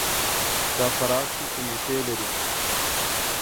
دا په راس کې کمیټې لري.